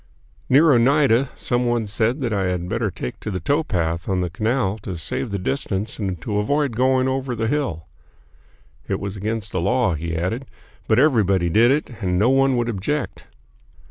Near Oneida some one said that I had better take to the towpath on the canal to save distance and to avoid going over the hill. It was against the law, he added, but everybody did it and no one would object.